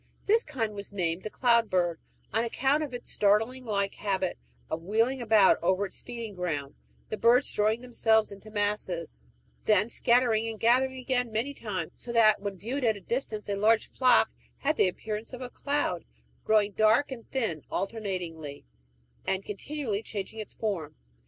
This kind was named the cloud bird, on account of its starling like habit of wheeling about over its feeding ground, the birds throwing themselves into masses, then scattering and gathering again many times, so that when viewed at a distance a large flock had the appearance of a cloud, growing dark and thin alternately, and continually changing its form.